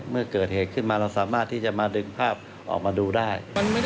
เมื่อเกิดเหตุขึ้นมาเราสามารถที่จะมาดึงภาพออกมาดูได้